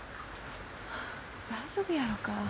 大丈夫やろか。